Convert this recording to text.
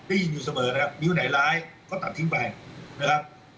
ได้ยินอยู่เสมอนะครับนิ้วไหนร้ายก็ตัดทิ้งไปนะครับ